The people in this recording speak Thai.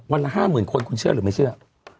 วันละห้าหมื่นคนคุณเชื่อหรือไม่เชื่อ